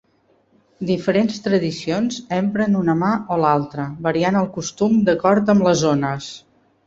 Diferents tradicions empren una mà o l'altra, variant el costum d'acord amb les zones.